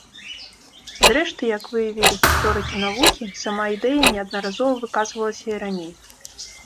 Зрэшты, як выявілі гісторыкі навукі, сама ідэя неаднаразова выказвалася і раней.